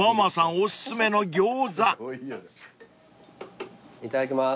お薦めの餃子］いただきます。